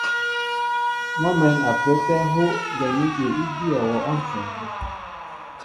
Mɔ mɛ̌n a pə́ə́tɛ́ hú gwɛ̌m ígi í bíyɛ wɔ á ǹshwɛn tə̂.